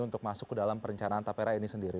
untuk masuk ke dalam perencanaan tapera ini sendiri